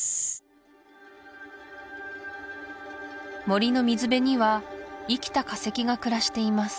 森の水辺には生きた化石が暮らしています